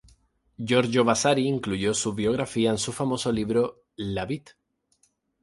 Giorgio Vasari incluyó su biografía en su famoso libro"Le Vite".